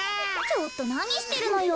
ちょっとなにしてるのよ。